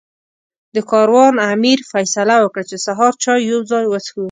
د کاروان امیر فیصله وکړه چې سهار چای یو ځای وڅښو.